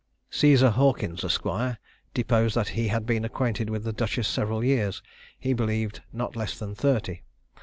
Cæsar Hawkins, Esq. deposed that he had been acquainted with the duchess several years, he believed not less than thirty.